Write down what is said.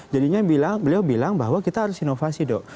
jadinya beliau bilang bahwa kita harus inovasi dok